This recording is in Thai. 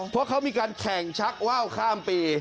เพราะเขามีการแข่งชักว่าวข้ามปี